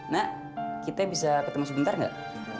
na kita bisa ketemu sebentar gak